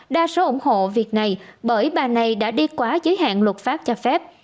đa số ủng hộ việc này bởi bà này đã đi quá giới hạn luật pháp cho phép